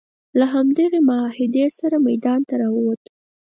د همدغې معاهدې سره میدان ته راووت.